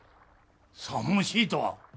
さもしいとは？